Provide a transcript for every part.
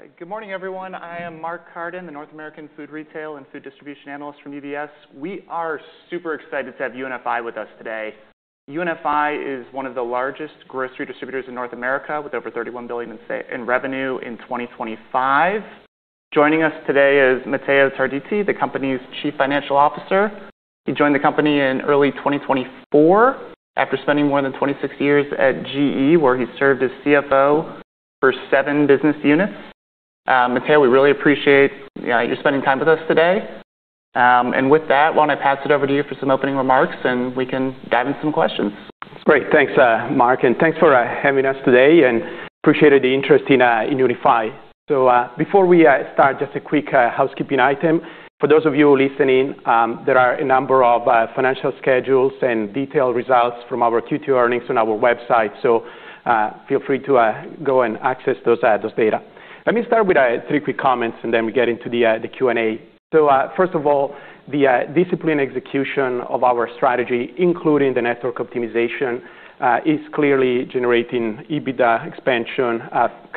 All right. Good morning, everyone. I am Mark Carden, the North American Food Retail and Food Distribution Analyst from UBS. We are super excited to have UNFI with us today. UNFI is one of the largest grocery distributors in North America with over $31 billion in revenue in 2025. Joining us today is Matteo Tarditi, the company's Chief Financial Officer. He joined the company in early 2024 after spending more than 26 years at GE, where he served as CFO for seven business units. Matteo, we really appreciate you spending time with us today. With that, why don't I pass it over to you for some opening remarks, and we can dive in some questions. Great. Thanks, Mark, and thanks for having us today and appreciated the interest in UNFI. Before we start, just a quick housekeeping item. For those of you listening, there are a number of financial schedules and detailed results from our Q2 earnings on our website, so feel free to go and access those data. Let me start with three quick comments, and then we get into the Q&A. First of all, the disciplined execution of our strategy, including the network optimization, is clearly generating EBITDA expansion,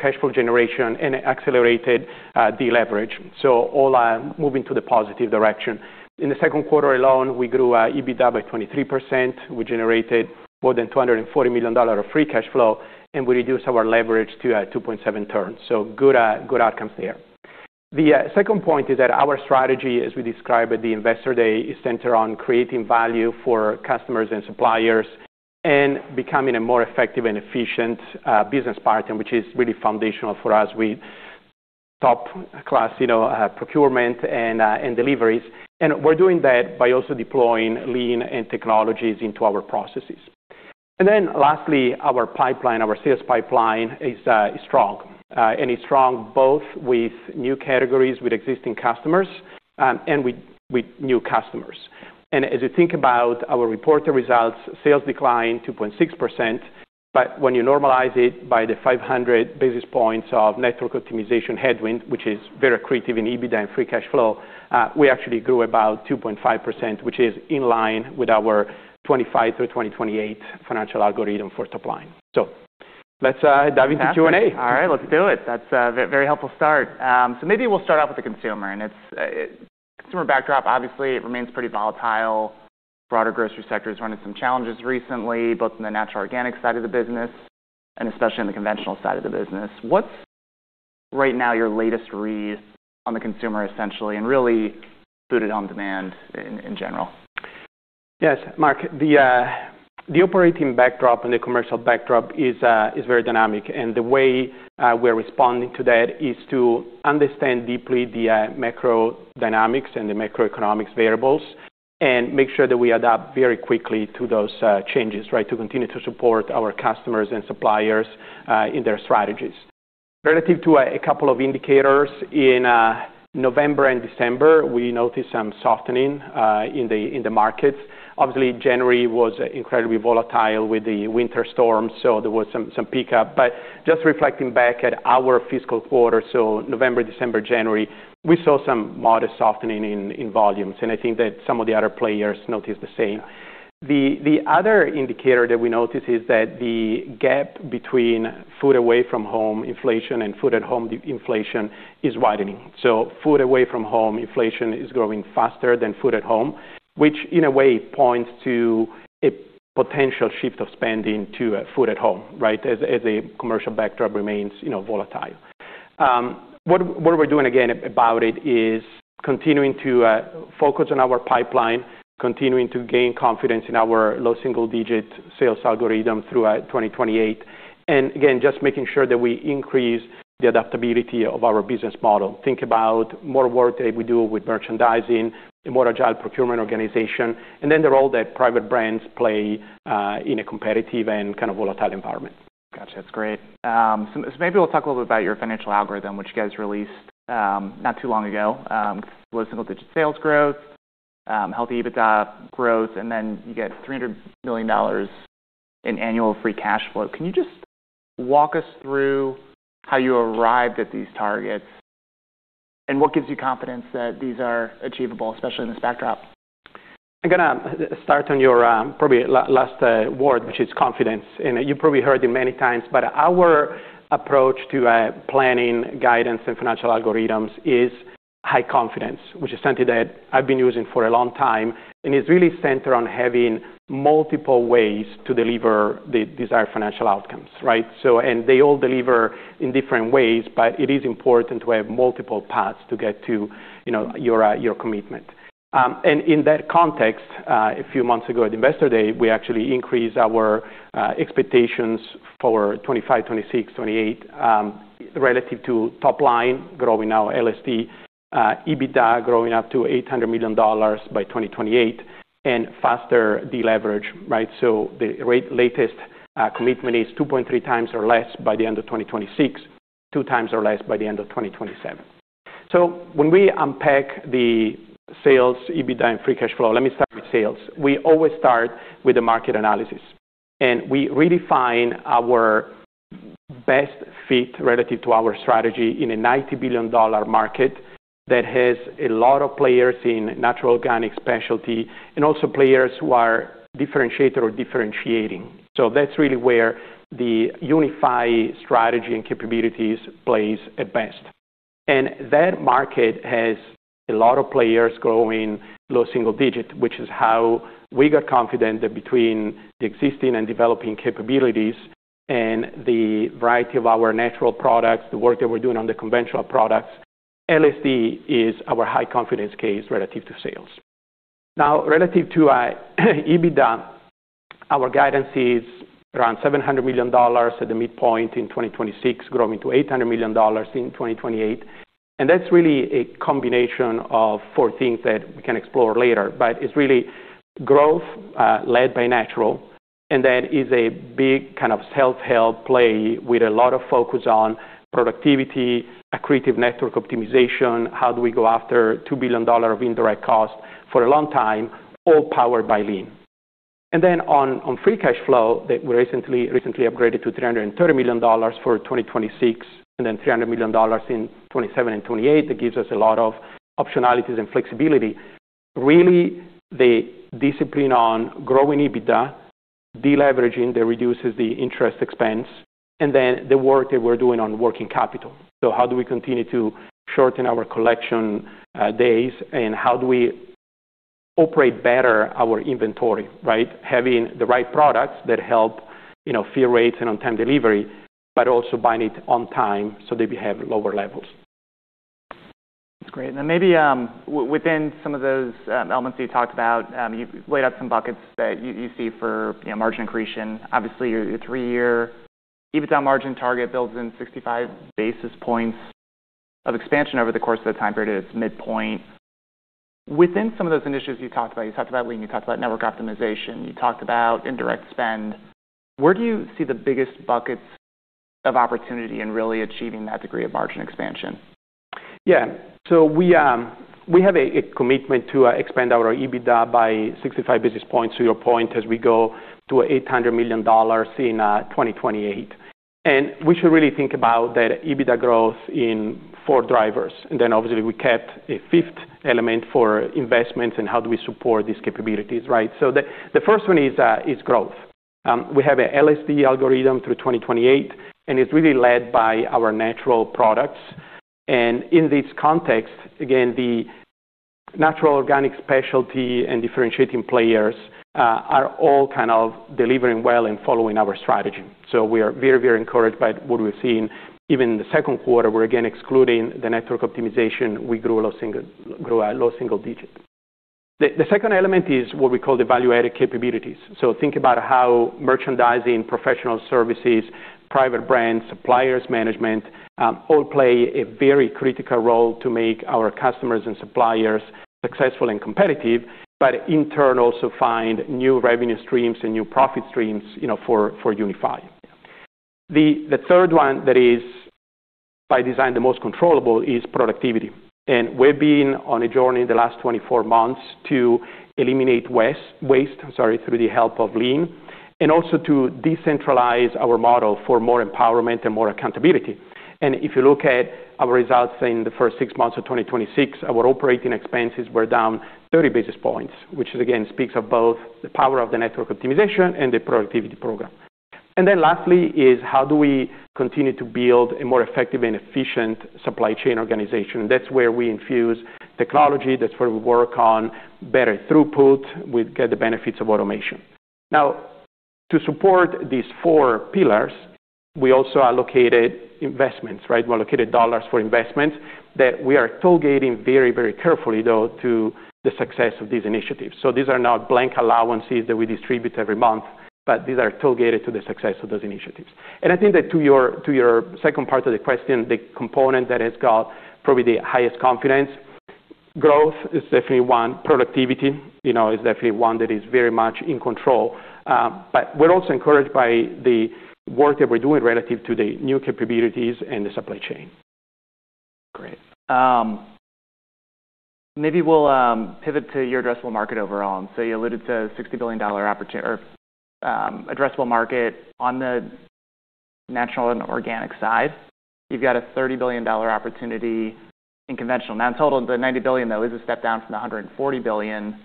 cash flow generation, and accelerated deleverage. All moving to the positive direction. In the Q2 alone, we grew EBITDA by 23%. We generated more than $240 million of free cash flow, and we reduced our leverage to 2.7 turns. Good outcomes there. The second point is that our strategy, as we described at the Investor Day, is centered on creating value for customers and suppliers and becoming a more effective and efficient business partner, which is really foundational for us. We top-class procurement and deliveries, and we're doing that by also deploying lean and technologies into our processes. Lastly, our pipeline, our sales pipeline is strong. It's strong both with new categories, with existing customers, and with new customers. As you think about our reported results, sales declined 2.6%, but when you normalize it by the 500 basis points of network optimization headwind, which is very accretive in EBITDA and free cash flow, we actually grew about 2.5%, which is in line with our 2025 through 2028 financial algorithm for top line. Let's dive into Q&A. All right. Let's do it. That's a very helpful start. So maybe we'll start off with the consumer, and it's consumer backdrop, obviously, it remains pretty volatile. Broader grocery sector is running some challenges recently, both in the natural organic side of the business and especially in the conventional side of the business. What's right now your latest read on the consumer, essentially, and really food and on-demand in general? Yes, Mark. The operating backdrop and the commercial backdrop is very dynamic, and the way we're responding to that is to understand deeply the macro dynamics and the macroeconomic variables and make sure that we adapt very quickly to those changes, right? To continue to support our customers and suppliers in their strategies. Relative to a couple of indicators in November and December, we noticed some softening in the markets. Obviously, January was incredibly volatile with the winter storm, so there was some pickup. Just reflecting back at our fiscal quarter, so November, December, January, we saw some modest softening in volumes, and I think that some of the other players noticed the same. The other indicator that we noticed is that the gap between food away from home inflation and food at home inflation is widening. Food away from home inflation is growing faster than food at home, which in a way points to a potential shift of spending to food at home, right, as a commercial backdrop remains, you know, volatile. What we're doing again about it is continuing to focus on our pipeline, continuing to gain confidence in our low single-digit sales algorithm throughout 2028. Again, just making sure that we increase the adaptability of our business model. Think about more work that we do with merchandising, a more agile procurement organisation, and then the role that private brands play in a competitive and kind of volatile environment. Gotcha. That's great. Maybe we'll talk a little bit about your financial algorithm, which you guys released, not too long ago. Low single digit sales growth, healthy EBITDA growth, and then you get $300 million in annual free cash flow. Can you just walk us through how you arrived at these targets and what gives you confidence that these are achievable, especially in this backdrop? I'm gonna start on your probably last word, which is confidence. You probably heard it many times, but our approach to planning, guidance, and financial algorithms is high confidence, which is something that I've been using for a long time and is really centered on having multiple ways to deliver the desired financial outcomes, right? They all deliver in different ways, but it is important to have multiple paths to get to, you know, your commitment. In that context, a few months ago at Investor Day, we actually increased our expectations for 2025, 2026, 2028 relative to top line growing in LSD, EBITDA growing up to $800 million by 2028 and faster deleverage, right? The latest commitment is 2.3x or less by the end of 2026, 2x or less by the end of 2027. When we unpack the sales EBITDA and free cash flow, let me start with sales. We always start with the market analysis, and we really find our best fit relative to our strategy in a $90 billion market that has a lot of players in natural organic specialty and also players who are differentiated or differentiating. That's really where the unified strategy and capabilities plays at best. That market has a lot of players growing low single digits, which is how we got confident that between the existing and developing capabilities and the variety of our natural products, the work that we're doing on the conventional products, LSD is our high confidence case relative to sales. Now, relative to EBITDA, our guidance is around $700 million at the midpoint in 2026, growing to $800 million in 2028. That's really a combination of four things that we can explore later. It's really growth led by natural, and that is a big kind of self-help play with a lot of focus on productivity, accretive network optimization. How do we go after $2 billion of indirect costs for a long time, all powered by Lean? And then on free cash flow that we recently upgraded to $330 million for 2026 and then $300 million in 2027 and 2028. That gives us a lot of optionalities and flexibility. Really, the discipline on growing EBITDA, de-leveraging that reduces the interest expense, and then the work that we're doing on working capital. How do we continue to shorten our collection days, and how do we operate better our inventory, right? Having the right products that help, you know, fill rates and on-time delivery, but also buying it on time so that we have lower levels. That's great. Maybe within some of those elements that you talked about, you've laid out some buckets that you see for, you know, margin accretion. Obviously, your three-year EBITDA margin target builds in 65 basis points of expansion over the course of the time period at its midpoint. Within some of those initiatives you talked about, you talked about Lean, you talked about network optimization, you talked about indirect spend. Where do you see the biggest buckets of opportunity in really achieving that degree of margin expansion? We have a commitment to expand our EBITDA by 65 basis points to your point as we go to $800 million in 2028. We should really think about that EBITDA growth in four drivers. We kept a fifth element for investments and how do we support these capabilities, right? The first one is growth. We have an LSD algorithm through 2028, and it's really led by our natural products. In this context, again, the natural organic specialty and differentiating players are all kind of delivering well and following our strategy. We are very, very encouraged by what we've seen. Even in the Q2, we're again excluding the network optimization, we gre at low single digits. The second element is what we call the value-added capabilities. Think about how merchandising, professional services, private brands, suppliers management, all play a very critical role to make our customers and suppliers successful and competitive, but in turn, also find new revenue streams and new profit streams, you know, for Unified. The third one that is by design the most controllable is productivity. We've been on a journey the last 24 months to eliminate waste through the help of Lean, and also to decentralize our model for more empowerment and more accountability. If you look at our results in the first six months of 2026, our operating expenses were down 30 basis points, which again, speaks of both the power of the network optimization and the productivity program. Lastly is how do we continue to build a more effective and efficient supply chain organization? That's where we infuse technology. That's where we work on better throughput. We get the benefits of automation. Now, to support these four pillars, we also allocated investments, right? We allocated dollars for investments that we are toll gating very, very carefully, though, to the success of these initiatives. These are not blank allowances that we distribute every month, but these are toll gated to the success of those initiatives. I think that to your second part of the question, the component that has got probably the highest confidence, growth is definitely one. Productivity, you know, is definitely one that is very much in control. But we're also encouraged by the work that we're doing relative to the new capabilities in the supply chain. Great. Maybe we'll pivot to your addressable market overall. You alluded to a $60 billion addressable market on the natural and organic side. You've got a $30 billion opportunity in conventional. Now, in total, the $90 billion, though, is a step down from the $140 billion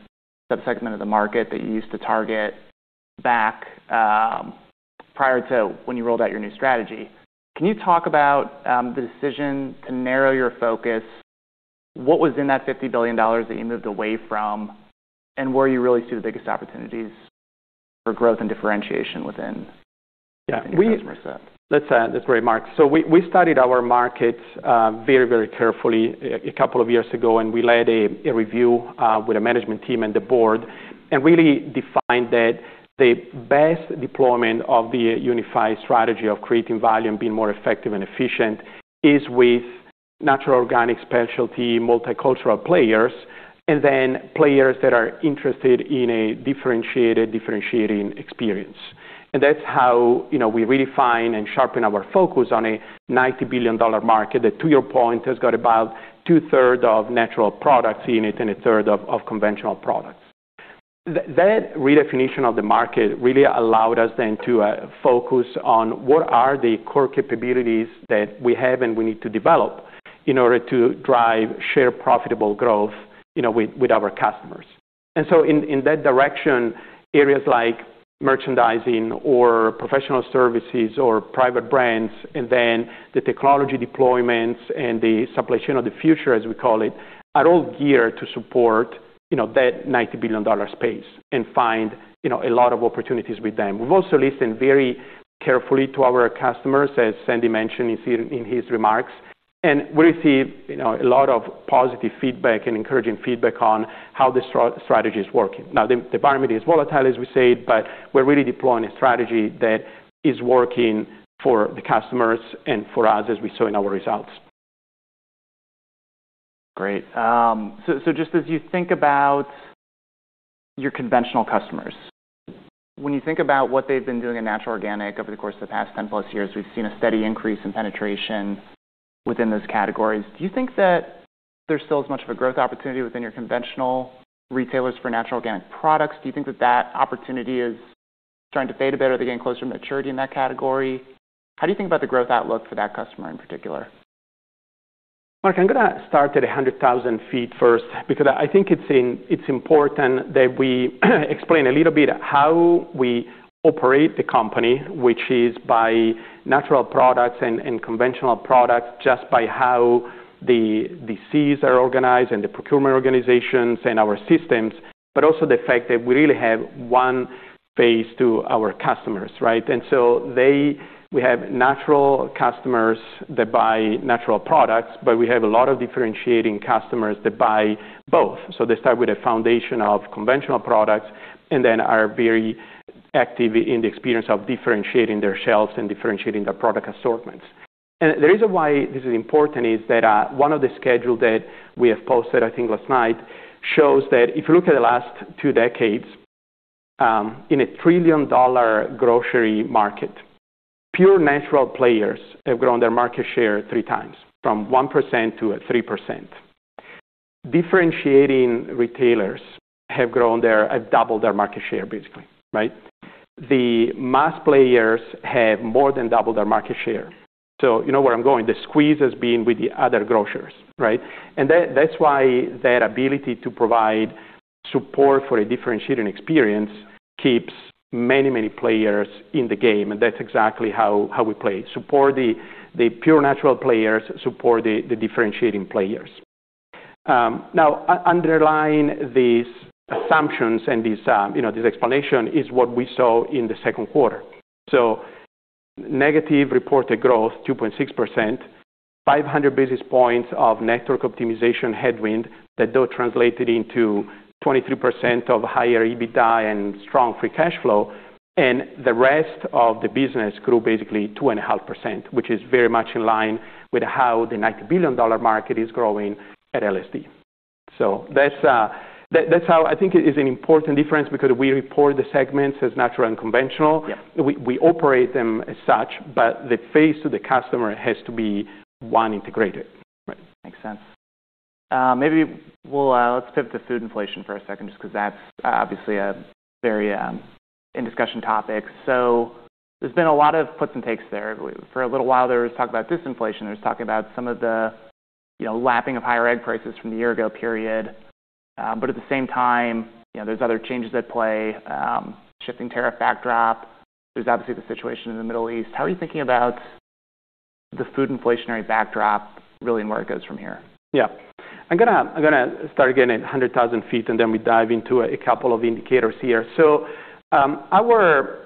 subsegment of the market that you used to target back, prior to when you rolled out your new strategy. Can you talk about the decision to narrow your focus? What was in that $50 billion that you moved away from, and where you really see the biggest opportunities for growth and differentiation within- Yeah. Your customer set. That's great, Mark. We studied our markets very carefully a couple of years ago, and we led a review with the management team and the board and really defined that the best deployment of the unified strategy of creating value and being more effective and efficient is with natural organic specialty multicultural players, and then players that are interested in a differentiated differentiating experience. That's how, you know, we really find and sharpen our focus on a $90 billion market that, to your point, has got about two-thirds of natural products in it and a third of conventional products. That redefinition of the market really allowed us then to focus on what are the core capabilities that we have and we need to develop in order to drive share profitable growth, you know, with our customers. In that direction, areas like merchandising or professional services or private brands, and then the technology deployments and the supply chain of the future, as we call it, are all geared to support, you know, that $90 billion space and find, you know, a lot of opportunities with them. We've also listened very carefully to our customers, as Sandy mentioned in his remarks, and we receive, you know, a lot of positive feedback and encouraging feedback on how the strategy is working. Now, the environment is volatile, as we said, but we're really deploying a strategy that is working for the customers and for us as we saw in our results. Great. Just as you think about your conventional customers, when you think about what they've been doing in natural organic over the course of the past 10+ years, we've seen a steady increase in penetration within those categories. Do you think that there's still as much of a growth opportunity within your conventional retailers for natural organic products? Do you think that that opportunity is starting to fade a bit? Are they getting closer to maturity in that category? How do you think about the growth outlook for that customer in particular? Mark, I'm gonna start at a 100,000 ft first because I think it's important that we explain a little bit how we operate the company, which is by natural products and conventional products, just by how the DCs are organized and the procurement organizations and our systems, but also the fact that we really have one face to our customers, right? We have natural customers that buy natural products, but we have a lot of differentiating customers that buy both. They start with a foundation of conventional products and then are very active in the experience of differentiating their shelves and differentiating their product assortments. The reason why this is important is that one of the schedules that we have posted, I think last night, shows that if you look at the last two decades in a trillion-dollar grocery market, pure natural players have grown their market share 3x from 1%-3%. Differentiating retailers have doubled their market share, basically, right? The mass players have more than doubled their market share. You know where I'm going. The squeeze has been with the other grocers, right? That ability to provide support for a differentiating experience keeps many players in the game, and that's exactly how we play. Support the pure natural players, support the differentiating players. Now underlying these assumptions and these, you know, this explanation is what we saw in the Q2. Negative reported growth, 2.6%, 500 basis points of network optimization headwind that though translated into 23% higher EBITDA and strong free cash flow, and the rest of the business grew basically 2.5%, which is very much in line with how the $90 billion market is growing at LSD. That's how I think it is an important difference because we report the segments as natural and conventional. Yeah. We operate them as such, but the face of the customer has to be one integrated. Right. Makes sense. Let's pivot to food inflation for a second just 'cause that's obviously a very in discussion topic. There's been a lot of puts and takes there. For a little while, there was talk about disinflation. There was talk about some of the, you know, lapping of higher egg prices from the year ago period. At the same time, you know, there's other changes at play, shifting tariff backdrop. There's obviously the situation in the Middle East. How are you thinking about the food inflationary backdrop really and where it goes from here? Yeah. I'm gonna start again at 100,000 ft, and then we dive into a couple of indicators here. Our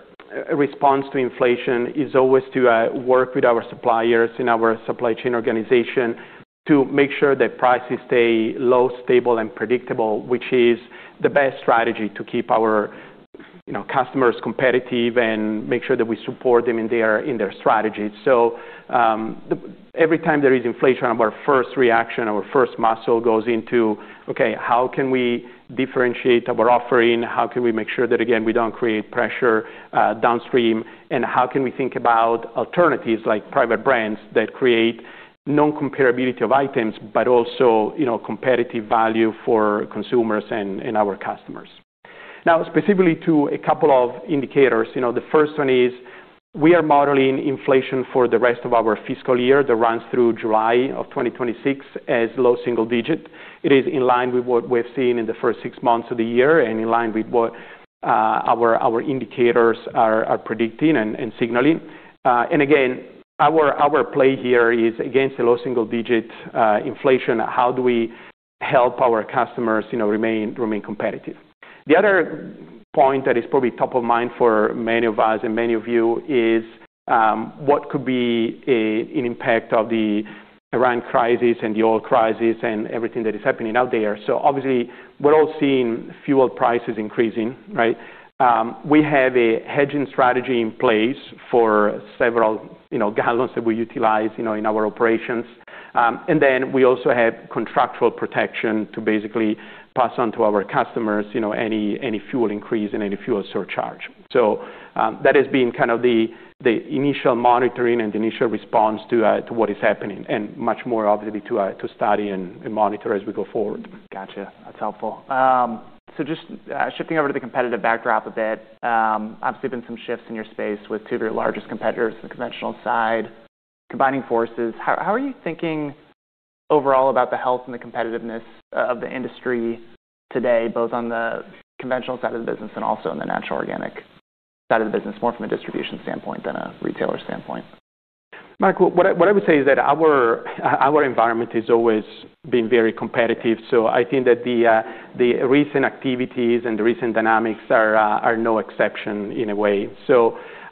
response to inflation is always to work with our suppliers in our supply chain organization to make sure that prices stay low, stable, and predictable, which is the best strategy to keep our, you know, customers competitive and make sure that we support them in their strategy. Every time there is inflation, our first reaction, our first muscle goes into, okay, how can we differentiate our offering? How can we make sure that, again, we don't create pressure downstream? And how can we think about alternatives like private brands that create non-comparability of items, but also, you know, competitive value for consumers and our customers. Now, specifically to a couple of indicators, you know, the first one is we are modeling inflation for the rest of our fiscal year that runs through July of 2026 as low single digit. It is in line with what we've seen in the first six months of the year and in line with what our indicators are predicting and signaling. Again, our play here is against the low single digit inflation, how do we help our customers, you know, remain competitive. The other point that is probably top of mind for many of us and many of you is what could be an impact of the Iran crisis and the oil crisis and everything that is happening out there. Obviously, we're all seeing fuel prices increasing, right? We have a hedging strategy in place for several, you know, gallons that we utilize, you know, in our operations. Then we also have contractual protection to basically pass on to our customers, you know, any fuel increase and any fuel surcharge. That has been kind of the initial monitoring and initial response to what is happening and much more obviously to study and monitor as we go forward. Gotcha. That's helpful. Just shifting over to the competitive backdrop a bit, I'm seeing some shifts in your space with two of your largest competitors on the conventional side combining forces. How are you thinking overall about the health and the competitiveness of the industry today, both on the conventional side of the business and also on the natural organic side of the business, more from a distribution standpoint than a retailer standpoint? Michael, what I would say is that our environment has always been very competitive, so I think that the recent activities and the recent dynamics are no exception in a way.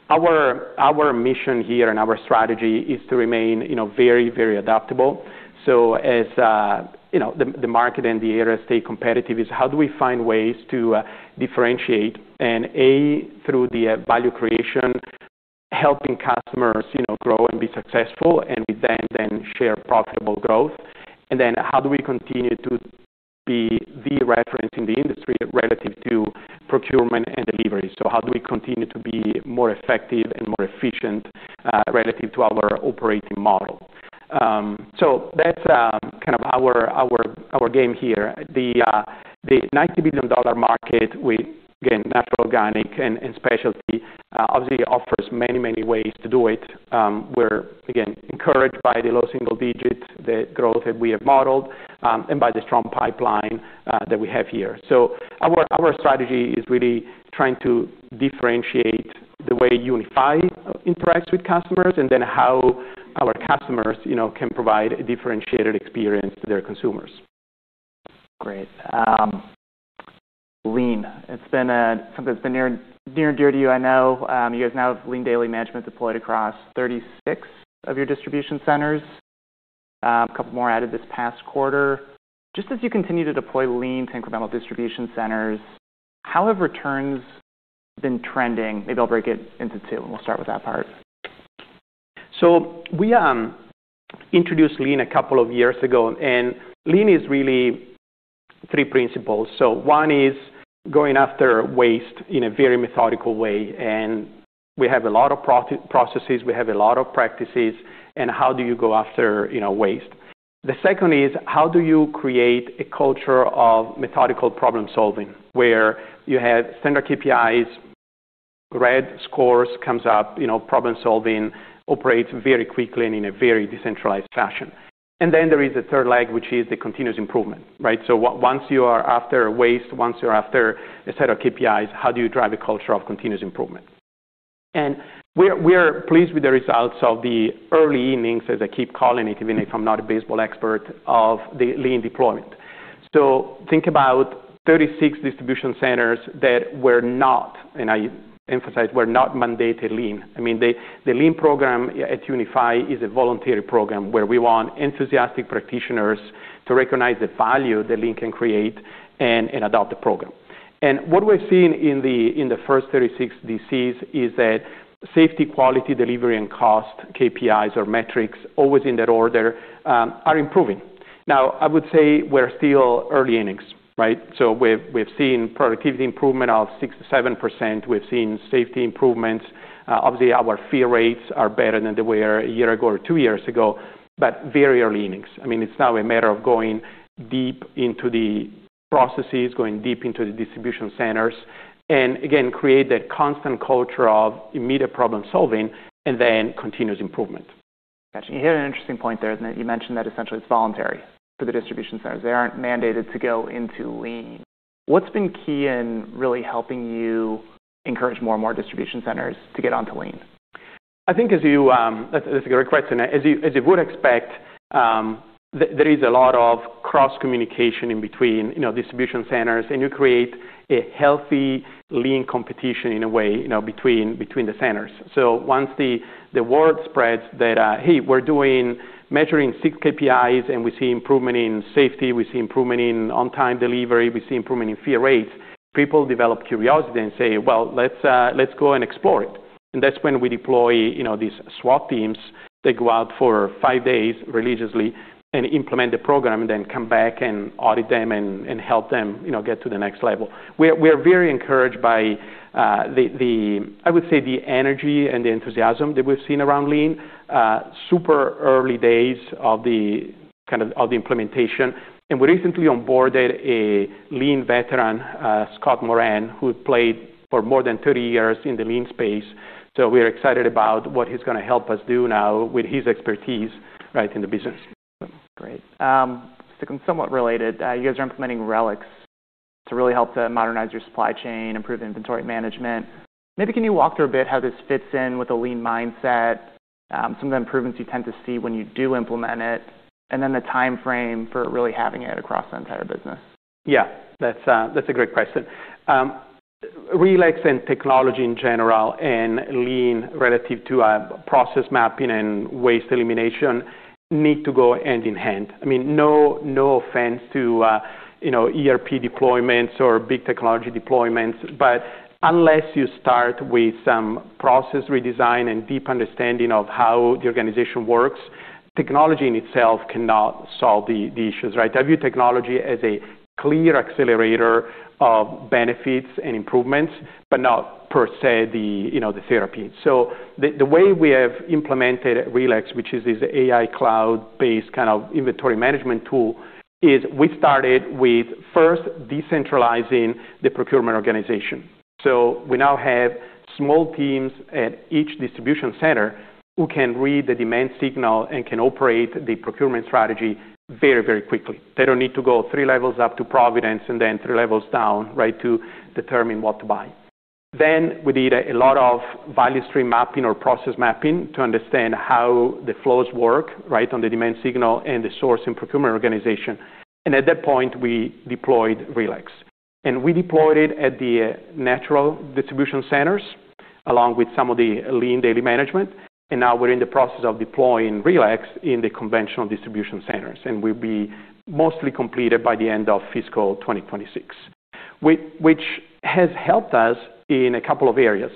Our mission here and our strategy is to remain, you know, very adaptable. As you know, the market and the era stay competitive is how do we find ways to differentiate and through the value creation, helping customers, you know, grow and be successful, and we then share profitable growth. How do we continue to be the reference in the industry relative to procurement and delivery? How do we continue to be more effective and more efficient relative to our operating model? That's kind of our game here. The $90 billion market with again natural, organic, and specialty obviously offers many ways to do it. We're again encouraged by the low single digits, the growth that we have modeled, and by the strong pipeline that we have here. Our strategy is really trying to differentiate the way UNFI interacts with customers and then how our customers, you know, can provide a differentiated experience to their consumers. Great. Lean. It's been something that's been near and dear to you, I know. You guys now have Lean Daily Management deployed across 36 of your distribution centers. A couple more added this past quarter. Just as you continue to deploy Lean to incremental distribution centers, how have returns been trending? Maybe I'll break it into two, and we'll start with that part. We introduced Lean a couple of years ago, and Lean is really three principles. One is going after waste in a very methodical way, and we have a lot of processes, we have a lot of practices, and how do you go after, you know, waste? The second is, how do you create a culture of methodical problem-solving, where you have standard KPIs, red scores comes up, you know, problem-solving operates very quickly and in a very decentralized fashion. There is a third leg, which is the continuous improvement, right? Once you are after waste, once you're after a set of KPIs, how do you drive a culture of continuous improvement? We're pleased with the results of the early innings, as I keep calling it, even if I'm not a baseball expert, of the Lean deployment. Think about 36 distribution centers that were not, and I emphasize were not mandated Lean. I mean, the Lean program at UNFI is a voluntary program where we want enthusiastic practitioners to recognize the value that Lean can create and adopt the program. What we're seeing in the first 36 DCs is that safety, quality, delivery, and cost KPIs or metrics, always in that order, are improving. Now, I would say we're still early innings, right? We've seen productivity improvement of 6%-7%. We've seen safety improvements. Obviously, our fill rates are better than they were a year ago or two years ago, but very early innings. I mean, it's now a matter of going deep into the processes, going deep into the distribution centers, and again, create that constant culture of immediate problem-solving and then continuous improvement. Gotcha. You hit an interesting point there, that you mentioned that essentially it's voluntary for the distribution centers. They aren't mandated to go into Lean. What's been key in really helping you encourage more and more distribution centers to get onto Lean? That's a great question. As you would expect, there is a lot of cross-communication between, you know, distribution centers, and you create a healthy Lean competition in a way, you know, between the centers. Once the word spreads that, hey, we're measuring six KPIs and we see improvement in safety, we see improvement in on-time delivery, we see improvement in fill rates, people develop curiosity and say, "Well, let's go and explore it." That's when we deploy, you know, these SWAT teams that go out for five days religiously and implement the program, and then come back and audit them and help them, you know, get to the next level. We're very encouraged by, I would say, the energy and the enthusiasm that we've seen around Lean. Super early days of the kind of the implementation. We recently onboarded a Lean veteran, Scott Moran, who played for more than 30 years in the Lean space. We are excited about what he's gonna help us do now with his expertise right in the business. Great. Sticking somewhat related, you guys are implementing RELEX to really help to modernize your supply chain, improve inventory management. Maybe can you walk through a bit how this fits in with the Lean mindset, some of the improvements you tend to see when you do implement it, and then the timeframe for really having it across the entire business? Yeah. That's a great question. RELEX and technology in general and lean relative to process mapping and waste elimination need to go hand in hand. I mean, no offense to you know, ERP deployments or big technology deployments, but unless you start with some process redesign and deep understanding of how the organization works, technology in itself cannot solve the issues, right? I view technology as a clear accelerator of benefits and improvements, but not per se the you know, the therapy. The way we have implemented RELEX, which is this AI cloud-based kind of inventory management tool, is we started with first decentralizing the procurement organization. We now have small teams at each distribution center who can read the demand signal and can operate the procurement strategy very, very quickly. They don't need to go three levels up to Providence and then three levels down, right, to determine what to buy. We did a lot of value stream mapping or process mapping to understand how the flows work, right, on the demand signal and the source and procurement organization. At that point, we deployed RELEX. We deployed it at the natural distribution centers, along with some of the Lean Daily Management. Now we're in the process of deploying RELEX in the conventional distribution centers, and we'll be mostly completed by the end of FY 2026. Which has helped us in a couple of areas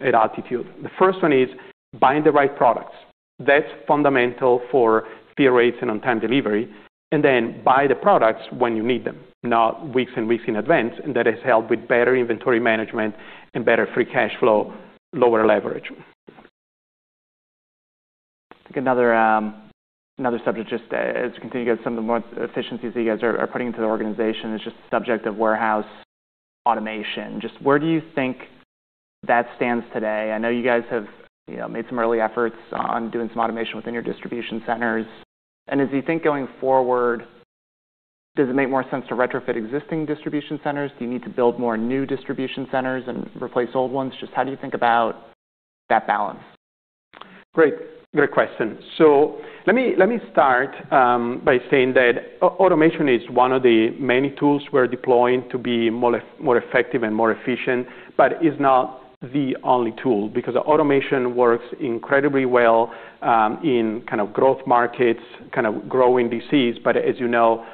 at Altitude. The first one is buying the right products. That's fundamental for fill rates and on-time delivery, and then buy the products when you need them, not weeks and weeks in advance. That has helped with better inventory management and better free cash flow, lower leverage. Another subject, just as you continue some of the more efficiencies that you guys are putting into the organization is just the subject of warehouse automation. Just where do you think that stands today? I know you guys have, you know, made some early efforts on doing some automation within your distribution centers, and as you think going forward, does it make more sense to retrofit existing distribution centers? Do you need to build more new distribution centers and replace old ones? Just how do you think about that balance? Great. Great question. Let me start by saying that automation is one of the many tools we're deploying to be more effective and more efficient, but is not the only tool, because automation works incredibly well in kind of growth markets, kind of growing DCs. As you know,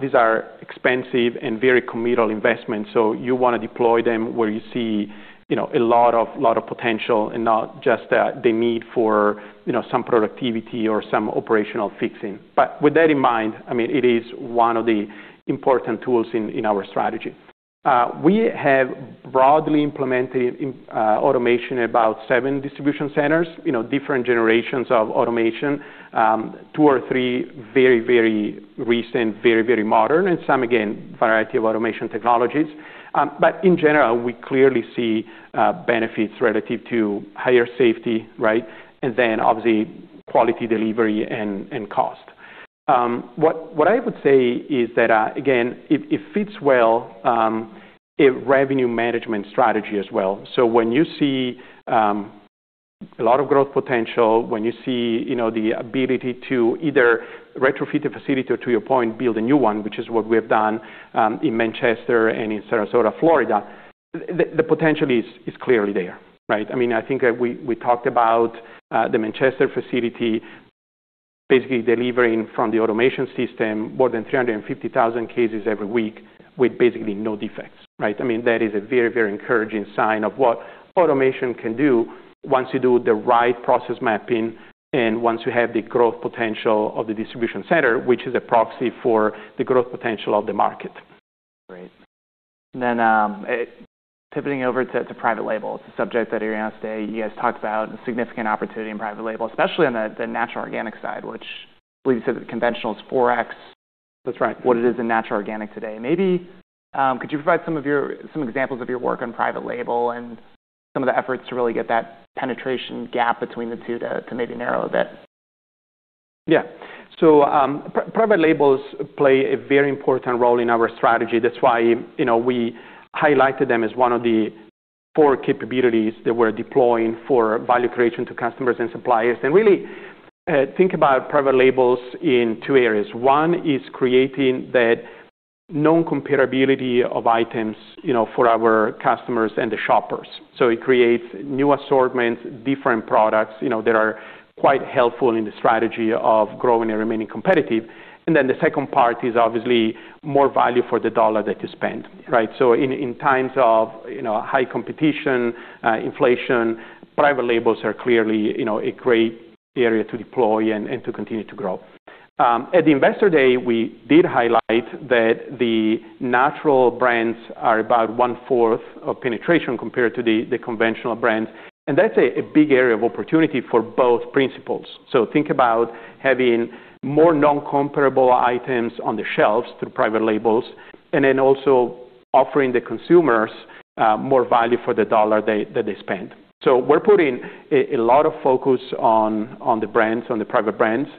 these are expensive and very committal investments, so you wanna deploy them where you see, you know, a lot of potential and not just the need for, you know, some productivity or some operational fixing. With that in mind, I mean, it is one of the important tools in our strategy. We have broadly implemented automation at about seven distribution centers, you know, different generations of automation, two or three very recent, very modern, and some again variety of automation technologies. In general, we clearly see benefits relative to higher safety, right? Obviously, quality delivery and cost. What I would say is that, again, it fits well a revenue management strategy as well. When you see a lot of growth potential, when you see, you know, the ability to either retrofit a facility or to your point, build a new one, which is what we have done in Manchester and in Sarasota, Florida, the potential is clearly there, right? I mean, I think that we talked about the Manchester facility basically delivering from the automation system more than 350,000 cases every week with basically no defects, right? I mean, that is a very, very encouraging sign of what automation can do once you do the right process mapping and once you have the growth potential of the distribution center, which is a proxy for the growth potential of the market. Great. Pivoting over to private labels, a subject that earlier on today you guys talked about a significant opportunity in private label, especially on the natural organic side, which I believe you said the conventional is 4x- That's right. what it is in natural organic today. Maybe, could you provide some examples of your work on private label and some of the efforts to really get that penetration gap between the two to maybe narrow a bit? Yeah. Private labels play a very important role in our strategy. That's why, you know, we highlighted them as one of the four capabilities that we're deploying for value creation to customers and suppliers. Really, think about private labels in two areas. One is creating that known comparability of items, you know, for our customers and the shoppers. It creates new assortments, different products, you know, that are quite helpful in the strategy of growing and remaining competitive. Then the second part is obviously more value for the dollar that you spend, right? In times of, you know, high competition, inflation, private labels are clearly, you know, a great area to deploy and to continue to grow. At the Investor Day, we did highlight that the natural brands are about 1/4 of penetration compared to the conventional brands. That's a big area of opportunity for both principals. Think about having more non-comparable items on the shelves through private labels, and then also offering the consumers more value for the dollar that they spend. We're putting a lot of focus on the brands, on the private brands.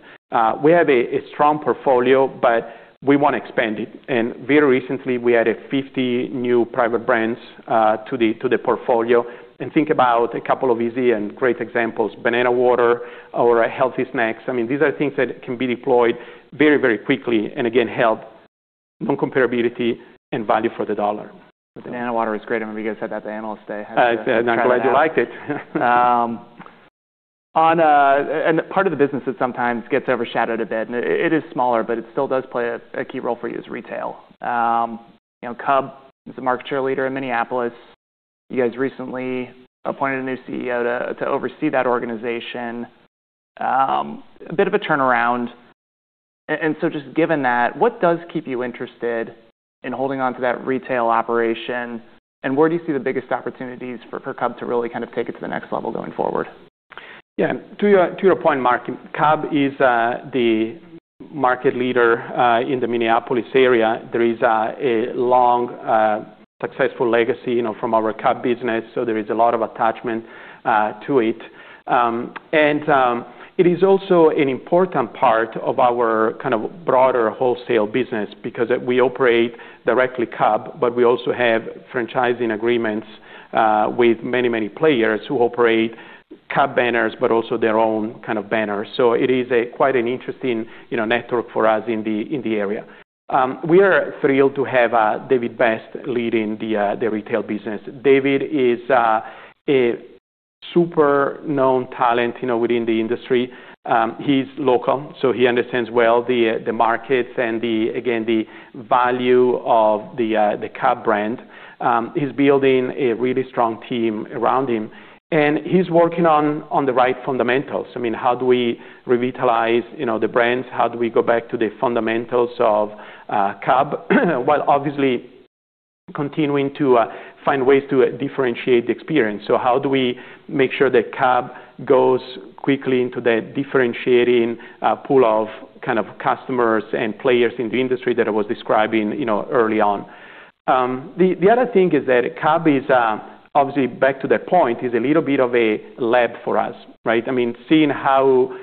We have a strong portfolio, but we wanna expand it. Very recently, we added 50 new private brands to the portfolio. Think about a couple of easy and great examples, banana water or healthy snacks. I mean, these are things that can be deployed very quickly, and again, help non-comparability and value for the dollar. Banana water is great. I remember you guys had that at the Investor Day. I'm glad you liked it. One part of the business that sometimes gets overshadowed a bit, and it is smaller, but it still does play a key role for you as retail. You know, Cub is a market share leader in Minneapolis. You guys recently appointed a new CEO to oversee that organization. A bit of a turnaround. Just given that, what does keep you interested in holding onto that retail operation, and where do you see the biggest opportunities for Cub to really kind of take it to the next level going forward? Yeah. To your point, Mark, Cub is the market leader in the Minneapolis area. There is a long successful legacy, you know, from our Cub business, so there is a lot of attachment to it. It is also an important part of our kind of broader wholesale business because we operate Cub directly, but we also have franchising agreements with many players who operate Cub banners, but also their own kind of banners. It is quite an interesting, you know, network for us in the area. We are thrilled to have David Best leading the retail business. David is a super known talent, you know, within the industry. He's local, so he understands well the markets and again the value of the Cub brand. He's building a really strong team around him, and he's working on the right fundamentals. I mean, how do we revitalize, you know, the brands? How do we go back to the fundamentals of Cub, while obviously continuing to find ways to differentiate the experience? How do we make sure that Cub goes quickly into that differentiating pool of kind of customers and players in the industry that I was describing, you know, early on. The other thing is that Cub is, obviously back to that point, a little bit of a lab for us, right? I mean, seeing how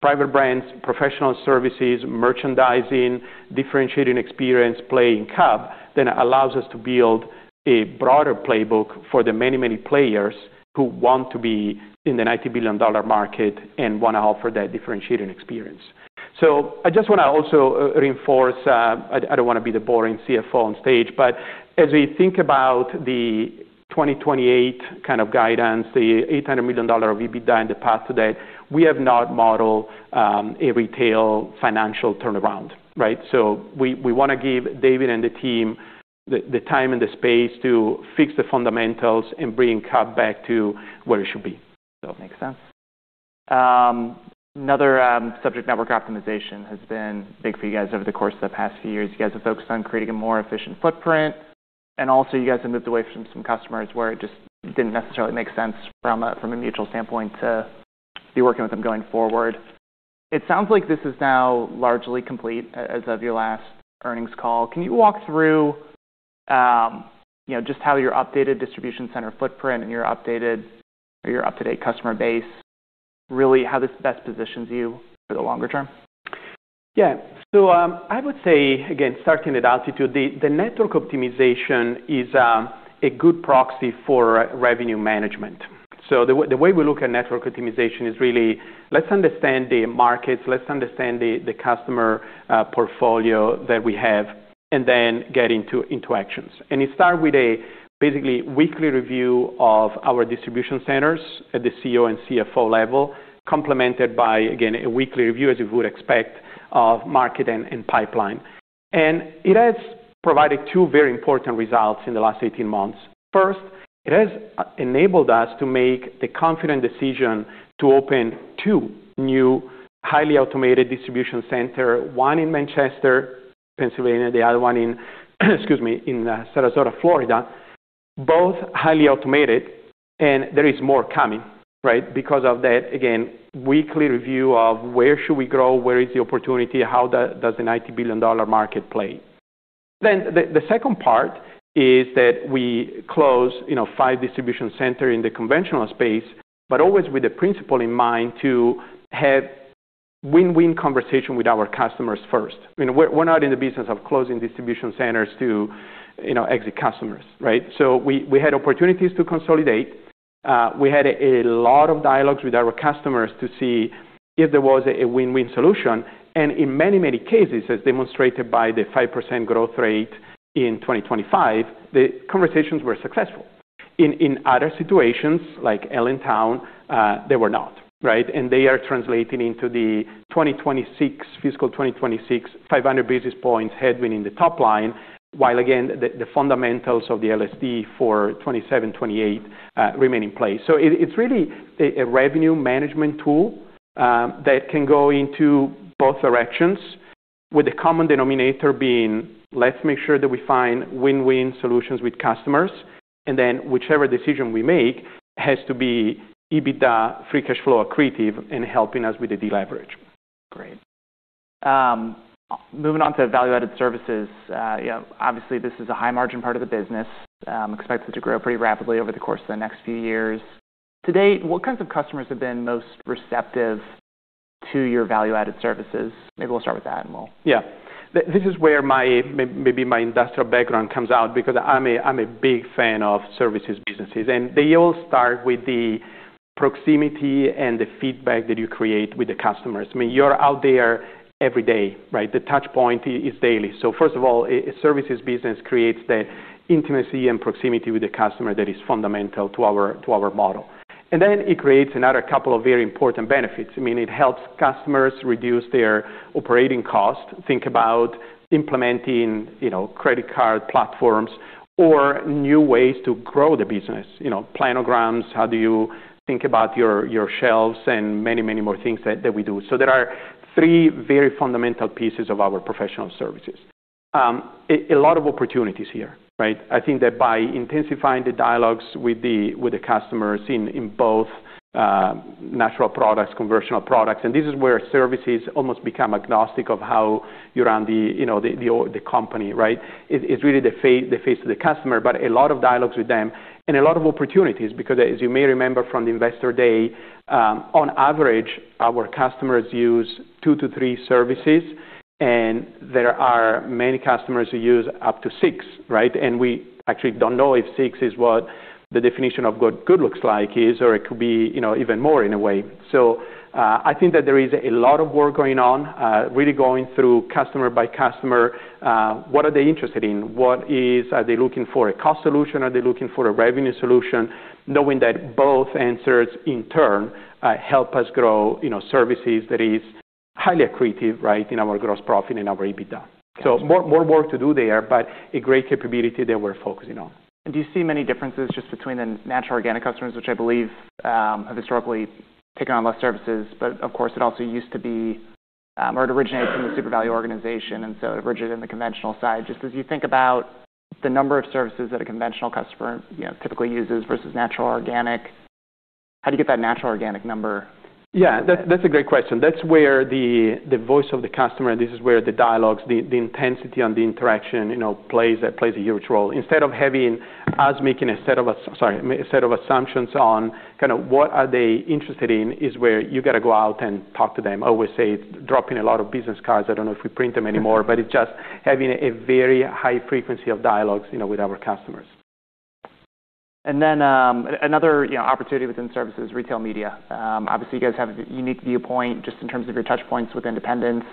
private brands, professional services, merchandising, differentiating experience play in Cub, then allows us to build a broader playbook for the many, many players who want to be in the $90 billion market and wanna offer that differentiating experience. I just wanna also reinforce, I don't wanna be the boring CFO on stage, but as we think about the 2028 kind of guidance, the $800 million EBITDA in the path to that, we have not modeled a retail financial turnaround, right? We wanna give David and the team the time and the space to fix the fundamentals and bring Cub back to where it should be. Makes sense. Another subject, network optimization, has been big for you guys over the course of the past few years. You guys have focused on creating a more efficient footprint, and also you guys have moved away from some customers where it just didn't necessarily make sense from a mutual standpoint to be working with them going forward. It sounds like this is now largely complete as of your last earnings call. Can you walk through, you know, just how your updated distribution center footprint and your updated or your up-to-date customer base really best positions you for the longer term? Yeah. I would say, again, starting with Altitude, the network optimization is a good proxy for revenue management. The way we look at network optimization is really let's understand the markets, let's understand the customer portfolio that we have, and then get into actions. It start with a basically weekly review of our distribution centers at the CEO and CFO level, complemented by, again, a weekly review, as you would expect, of market and pipeline. It has provided two very important results in the last 18 months. First, it has enabled us to make the confident decision to open two new highly automated distribution center, one in Manchester, Pennsylvania, the other one in, excuse me, in Sarasota, Florida, both highly automated, and there is more coming, right? Because of that, again, weekly review of where should we grow, where is the opportunity, how does the $90 billion market play. The second part is that we closed, you know, five distribution centers in the conventional space, but always with the principle in mind to have win-win conversation with our customers first. You know, we're not in the business of closing distribution centers to, you know, exit customers, right? We had opportunities to consolidate. We had a lot of dialogues with our customers to see if there was a win-win solution. In many cases, as demonstrated by the 5% growth rate in 2025, the conversations were successful. In other situations, like Allentown, they were not, right? They are translating into the 2026, FY 2026 500 basis points headwind in the top line, while again, the fundamentals of the LSD for 2027, 2028, remain in place. It's really a revenue management tool that can go into both directions with the common denominator being, let's make sure that we find win-win solutions with customers, and then whichever decision we make has to be EBITDA free cash flow accretive in helping us with the deleverage. Great. Moving on to value-added services. You know, obviously this is a high margin part of the business, expected to grow pretty rapidly over the course of the next few years. To date, what kinds of customers have been most receptive to your value-added services? Maybe we'll start with that, and we'll. Yeah. This is where maybe my industrial background comes out because I'm a big fan of services businesses, and they all start with the proximity and the feedback that you create with the customers. I mean, you're out there every day, right? The touch point is daily. First of all, a services business creates the intimacy and proximity with the customer that is fundamental to our model. Then it creates another couple of very important benefits. I mean, it helps customers reduce their operating costs, think about implementing, you know, credit card platforms or new ways to grow the business. You know, planograms, how do you think about your shelves and many more things that we do. There are three very fundamental pieces of our professional services. A lot of opportunities here, right? I think that by intensifying the dialogues with the customers in both natural products, conventional products, and this is where services almost become agnostic of how you run the, you know, the company, right? It's really the face of the customer, but a lot of dialogues with them and a lot of opportunities because as you may remember from the Investor Day, on average, our customers use two services to three services, and there are many customers who use up to six services, right? We actually don't know if six services is what the definition of what good looks like is, or it could be, you know, even more in a way. I think that there is a lot of work going on, really going through customer by customer, what are they interested in? What is... Are they looking for a cost solution? Are they looking for a revenue solution? Knowing that both answers in turn help us grow, you know, services that is highly accretive, right, in our gross profit and our EBITDA. More work to do there, but a great capability that we're focusing on. Do you see many differences just between the natural organic customers, which I believe have historically taken on less services, but of course, it also used to be, or it originated from the Supervalu organization, and so it originated in the conventional side. Just as you think about the number of services that a conventional customer, you know, typically uses versus natural organic, how do you get that natural organic number? Yeah, that's a great question. That's where the voice of the customer, and this is where the dialogues, the intensity and the interaction, you know, plays a huge role. Instead of having us making a set of assumptions on kinda what are they interested in is where you gotta go out and talk to them. I always say dropping a lot of business cards. I don't know if we print them anymore, but it's just having a very high frequency of dialogues, you know, with our customers. you know, opportunity within services, retail media. Obviously, you guys have a unique viewpoint just in terms of your touchpoints with independents,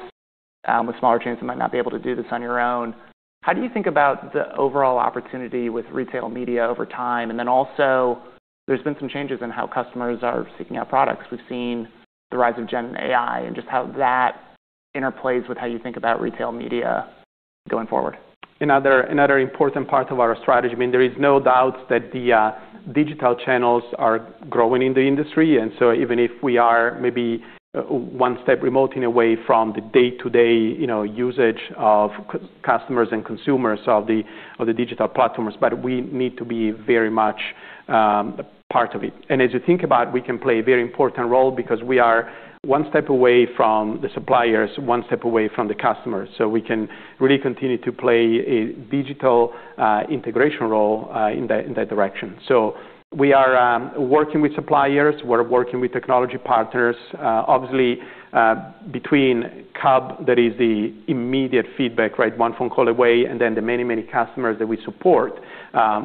with smaller chains that might not be able to do this on your own. How do you think about the overall opportunity with retail media over time? There's been some changes in how customers are seeking out products. We've seen the rise of GenAI and just how that interplays with how you think about retail media going forward. Another important part of our strategy. I mean, there is no doubt that the digital channels are growing in the industry. Even if we are maybe one step remote in a way from the day-to-day, you know, usage of customers and consumers of the digital platforms, but we need to be very much part of it. As you think about it, we can play a very important role because we are one step away from the suppliers, one step away from the customer. We can really continue to play a digital integration role in that direction. We are working with suppliers, we're working with technology partners. Obviously, between Cub, that is the immediate feedback, right? One phone call away, and then the many, many customers that we support,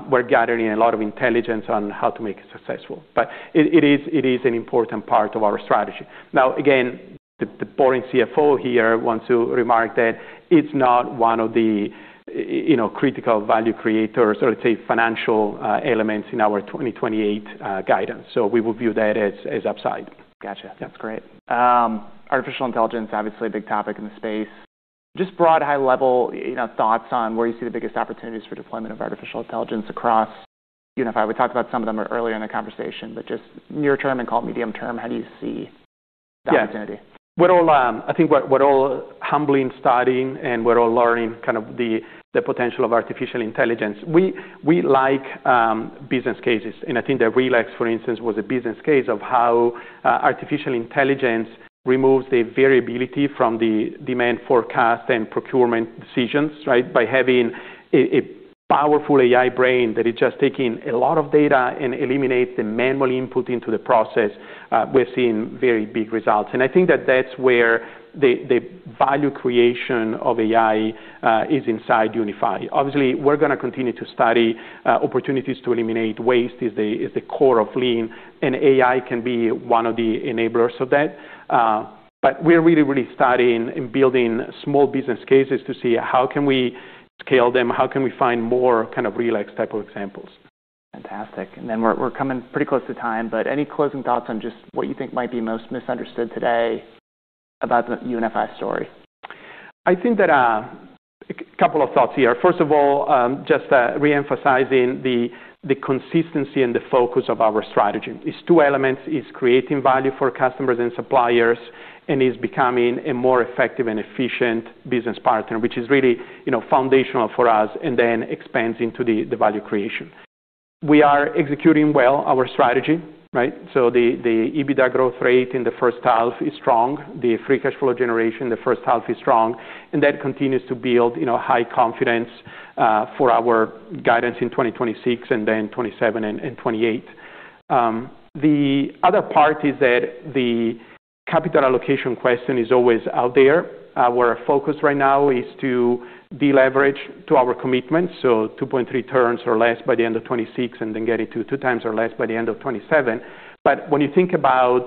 we're gathering a lot of intelligence on how to make it successful. It is an important part of our strategy. Now, again, the boring CFO here wants to remark that it's not one of the, you know, critical value creators or, let's say, financial, elements in our 2028 guidance. We will view that as upside. Gotcha. That's great. Artificial intelligence, obviously a big topic in the space. Just broad high-level, you know, thoughts on where you see the biggest opportunities for deployment of artificial intelligence across UNFI. We talked about some of them earlier in the conversation, but just near term and call it medium term, how do you see the opportunity? Yeah. I think we're all humbly studying, and we're all learning kind of the potential of artificial intelligence. We like business cases, and I think that RELEX, for instance, was a business case of how artificial intelligence removes the variability from the demand forecast and procurement decisions, right? By having a powerful AI brain that is just taking a lot of data and eliminates the manual input into the process, we're seeing very big results. I think that that's where the value creation of AI is inside UNFI. Obviously, we're gonna continue to study opportunities to eliminate waste is the core of Lean, and AI can be one of the enablers of that. we're really studying and building small business cases to see how can we scale them, how can we find more kind of RELEX type of examples. Fantastic. We're coming pretty close to time, but any closing thoughts on just what you think might be most misunderstood today about the UNFI story? I think that a couple of thoughts here. First of all, just re-emphasizing the consistency and the focus of our strategy. It's two elements. It's creating value for customers and suppliers and it's becoming a more effective and efficient business partner, which is really, you know, foundational for us and then expands into the value creation. We are executing well our strategy, right? The EBITDA growth rate in the H1 is strong. The free cash flow generation in the H1 is strong, and that continues to build, you know, high confidence for our guidance in 2026 and then 2027 and 2028. The other part is that the capital allocation question is always out there. Our focus right now is to deleverage to our commitment, so 2.3 turns or less by the end of 2026 and then get it to 2x or less by the end of 2027. When you think about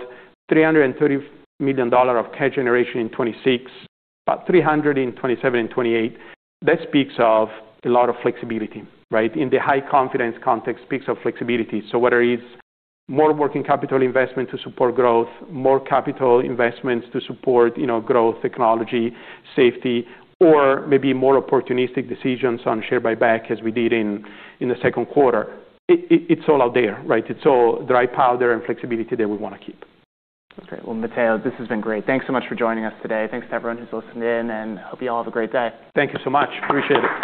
$330 million of cash generation in 2026, about $300 million in 2027 and 2028, that speaks of a lot of flexibility, right? In the high confidence context, speaks of flexibility. Whether it's more working capital investment to support growth, more capital investments to support, you know, growth, technology, safety, or maybe more opportunistic decisions on share buyback as we did in the Q2, it's all out there, right? It's all dry powder and flexibility that we wanna keep. Okay. Well, Matteo, this has been great. Thanks so much for joining us today. Thanks to everyone who's listened in, and hope you all have a great day. Thank you so much. Appreciate it.